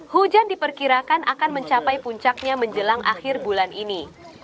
hujan diperkirakan akan mencapai puncaknya menjelang akhir bulan ini